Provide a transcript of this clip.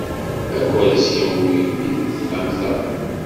Akursi ur yelli deg texxamt-a.